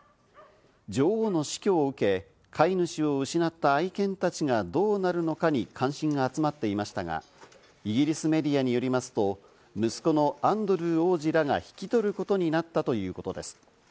女王の死去を受け、飼い主を失った愛犬たちがどうなるのかに関心が集まっていましたが、イギリスメディアによりますと、息子のアンドルー王子らが引き取ることになったということです。